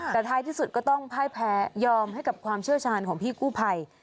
แต่ท้ายที่สุดก็ต้องพ่ายแพ้ยอมให้กับความเชี่ยวชาญของพี่กู้ภัย